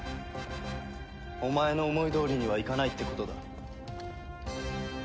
お前の思いどおりにはいかないってことだ。